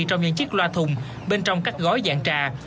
trong những chiếc loa thùng bên trong các gói dạng trà